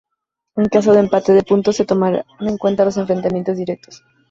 En caso de empate de puntos, se tomaron en cuenta los enfrentamientos directos.